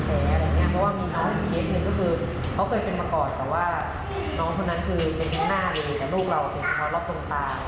เป็นจั้นเลือดจั้นเลือดเขาต้องหลงตาเหมือนกัน